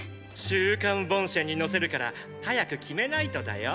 「週刊ボンシェン」に載せるから早く決めないとだよ。